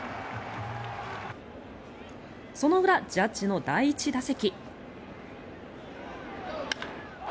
その裏、ジャッジの第１打席。